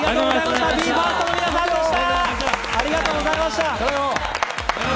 ＢＥ：ＦＩＲＳＴの皆さんでした！